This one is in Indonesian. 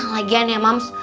lagian ya mams